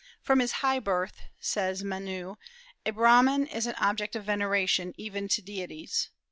"From his high birth," says Menu, "a Brahman is an object of veneration, even to deities."